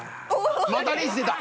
またリーチ出た。